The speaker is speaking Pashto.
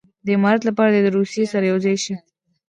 د امارت لپاره دې د روسیې سره یو ځای شي.